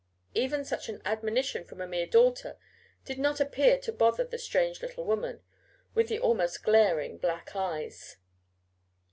Even such an admonition from a mere daughter did not appear to bother the strange little woman, with the almost glaring black eyes.